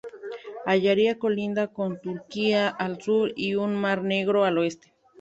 Ayaria colinda con Turquía al sur y el mar Negro al oeste.